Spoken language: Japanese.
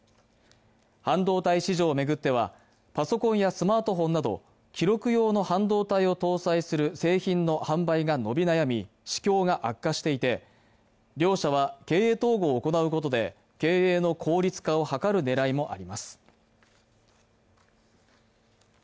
半導体市場を巡ってはパソコンやスマートフォンなど記録用の半導体を搭載する製品の販売が伸び悩み、市況が悪化していて、両社は経営統合を行うことで経営の効率化を図る狙いもあります。